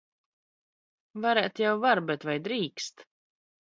Var?t jau var, bet... Vai dr?kst?